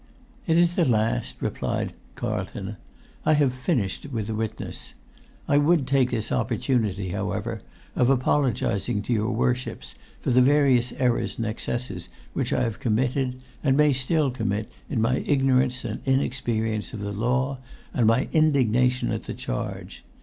"It is the last," replied Carlton. "I have finished with the witness. I would take this opportunity, however, of apologising to your worships for the various errors and excesses which I have committed, and may still commit, in my ignorance and inexperience of the law, and my indignation at the charge.